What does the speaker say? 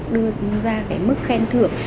đưa ra cái mức khen thưởng